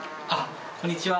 こんにちは。